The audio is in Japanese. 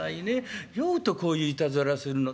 酔うとこういういたずらするの。